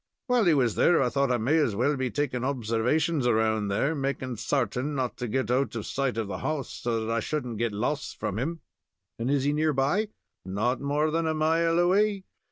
While he was there, I thought I might as well be taking observations around there, makin' sartin' to not get out of sight of the hoss, so I shouldn't get lost from him." "And is he near by?" "Not more than a mile away.